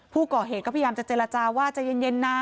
ผู้ก่อเหตุก็พยายามจะเจรจาว่าใจเย็นนะ